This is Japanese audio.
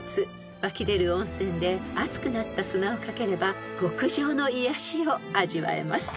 ［湧き出る温泉で熱くなった砂を掛ければ極上の癒やしを味わえます］